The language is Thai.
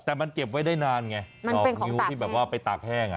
แต่มันเก็บไว้ได้นานไง๒นิ้วที่แบบว่าไปตากแห้ง